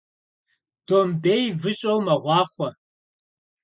Домбей выщӀэу мэгъуахъуэ.